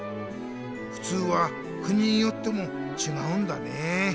「ふつう」は国によってもちがうんだね。